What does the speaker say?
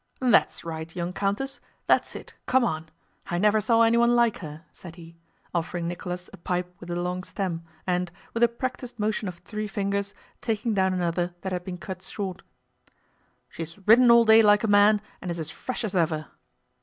"That's right, young countess, that's it, come on! I never saw anyone like her!" said he, offering Nicholas a pipe with a long stem and, with a practiced motion of three fingers, taking down another that had been cut short. "She's ridden all day like a man, and is as fresh as ever!"